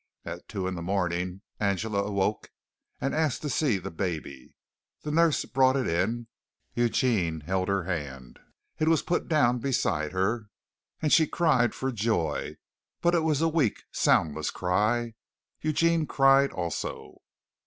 At two in the morning Angela woke and asked to see the baby. The nurse brought it. Eugene held her hand. It was put down beside her, and she cried for joy, but it was a weak, soundless cry. Eugene cried also.